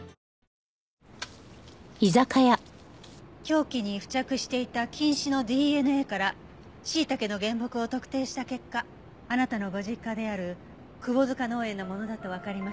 凶器に付着していた菌糸のＤＮＡからしいたけの原木を特定した結果あなたのご実家であるくぼづか農園のものだとわかりました。